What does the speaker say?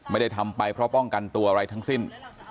ไม่ได้ทำไปเพราะป้องกันตัวอะไรทั้งสิ้น